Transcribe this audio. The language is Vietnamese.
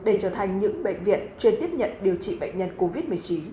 để trở thành những bệnh viện chuyên tiếp nhận điều trị bệnh nhân covid một mươi chín